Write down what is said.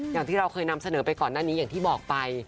อย่างที่เราเคยนำเสนอไปก่อนหน้านี้อย่างที่บอกไป